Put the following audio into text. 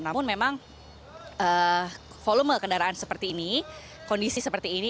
namun memang volume kendaraan seperti ini kondisi seperti ini